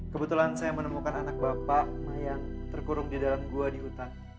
kebetulan saya menemukan anak bapak yang terkurung di dalam gua di hutan